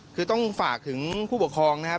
คือต้องฝากถึงผู้ปกครองนะครับ